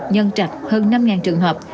nhân trạch hơn năm trường hợp